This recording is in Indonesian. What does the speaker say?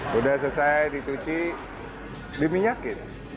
sudah selesai dicuci diminyakin